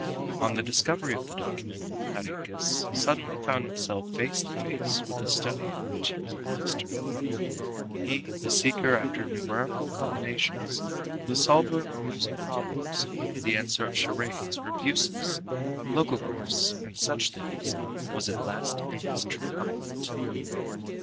On the discovery of the document, Jarriquez suddenly found himself face to face with the study of which he was a master. He, the seeker after numerical combinations, the solver of amusing problems, the answerer of charades, rebuses, logogryphs, and such things, was at last in his true element.